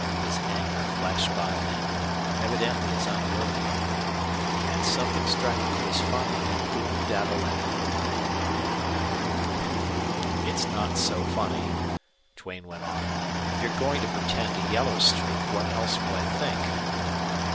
His anger flashed by then, evidently as unworthy of him, and, something striking him as funny, he boomed out a laugh. "It's not so funny," Duane went on. "If you're going to pretend a yellow streak, what else will I think?"